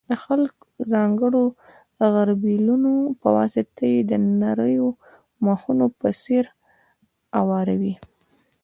د ځانګړو غربیلونو په واسطه یې د نریو مخونو په څېر اواروي.